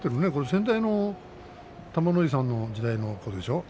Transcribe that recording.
先代の玉ノ井さんの時代の子でしょう？